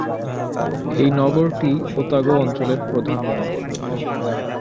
এ নগরটি ওতাগো অঞ্চলের প্রধান নগর।